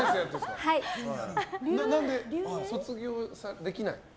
何で卒業できない？